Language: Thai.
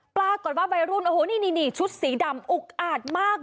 ปรากฎว่าวัยรุ่นชุดสีดำอุ๊กอาดมาก